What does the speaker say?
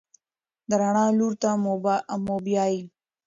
د رڼا لور ته مو بیايي.